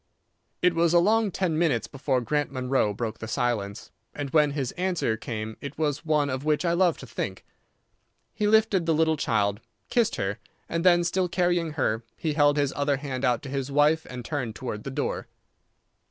It was a long ten minutes before Grant Munro broke the silence, and when his answer came it was one of which I love to think. He lifted the little child, kissed her, and then, still carrying her, he held his other hand out to his wife and turned towards the door.